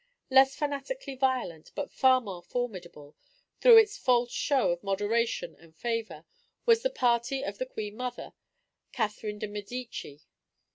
Less fanatically violent, but far more formidable, through its false show of moderation and favor, was the party of the Queen mother, Catherine de Medici.